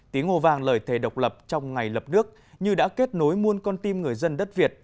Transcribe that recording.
tiếng hồ vàng lời thề độc lập trong ngày lập nước như đã kết nối muôn con tim người dân đất việt